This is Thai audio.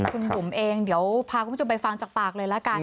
คุณบุ๋มเองเดี๋ยวพาคุณผู้ชมไปฟังจากปากเลยละกัน